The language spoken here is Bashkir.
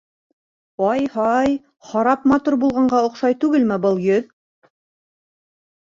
Ай-һай... харап матур булғанға оҡшай түгелме был йөҙ...